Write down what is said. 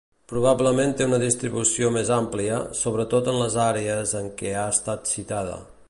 Probablement té una distribució més àmplia, sobretot en les àrees en què ha estat citada.